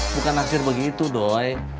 bukan naksir begitu doi